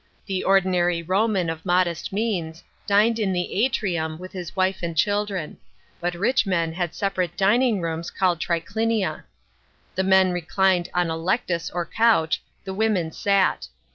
The ordinary Roman, of modest means, dined in the atrium, with his wile and children; but rich men had separate dining rooms, called t.idinia. The men reclined on a lectus or couch, the women sat.